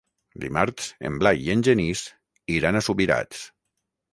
Dimarts en Blai i en Genís iran a Subirats.